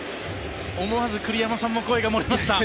思わず栗山さんも声が漏れました。